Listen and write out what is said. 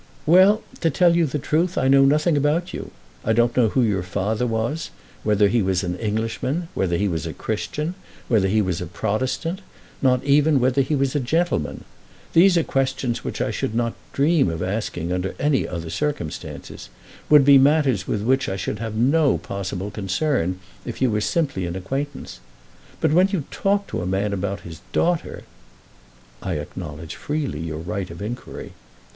"Well, to tell you the truth I know nothing about you. I don't know who your father was, whether he was an Englishman, whether he was a Christian, whether he was a Protestant, not even whether he was a gentleman. These are questions which I should not dream of asking under any other circumstances; would be matters with which I should have no possible concern, if you were simply an acquaintance. But when you talk to a man about his daughter !" "I acknowledge freely your right of inquiry."